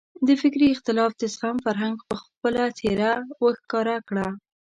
د فکري اختلاف د زغم فرهنګ خپله څېره وښکاره کړه.